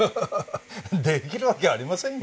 できるわけありませんよ